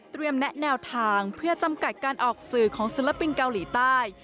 แนะแนวทางเพื่อจำกัดการออกสื่อของศิลปินเกาหลีใต้